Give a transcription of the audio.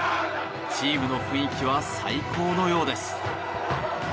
チームの雰囲気は最高のようです。